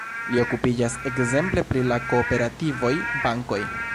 Li okupiĝas ekzemple pri la kooperativoj, bankoj.